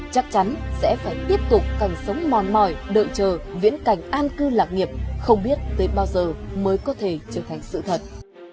chắc chắn sẽ phải tiếp tục cảnh sống mòn mỏi đợi chờ viễn cảnh an cư lạc nghiệp không biết tới bao giờ mới có thể trở thành sự thật